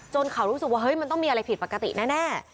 จนเขารู้สึกว่ามันมีอะไรผิดปกติแน่